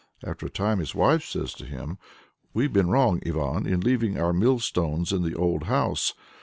After a time his wife says to him "We've been wrong, Ivan, in leaving our mill stones in the old house.